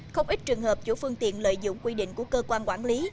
không ít trường hợp chủ phương tiện lợi dụng quy định của cơ quan quản lý